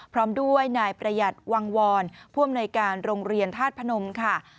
พร้อมด้วยนายประหยัดวังวรผู้อำนวยการโรงเรียนธาตุพนมค่ะ